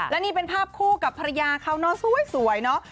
และนี่เป็นภาพคู่กับภรรยาเขาเนอะสวยเนอะ